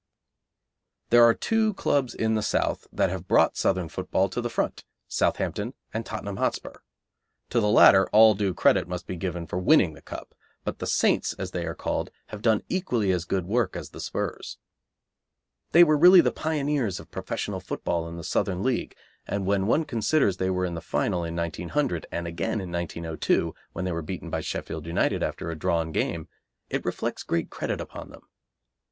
There are two clubs in the South that have brought Southern football to the front: Southampton and Tottenham Hotspur. To the latter all due credit must be given for winning the Cup, but the "Saints," as they are called, have done equally as good work as the 'Spurs. They were really the pioneers of professional football in the Southern League, and when one considers they were in the final in 1900, and again in 1902, when they were beaten by Sheffield United after a drawn game, it reflects great credit upon them.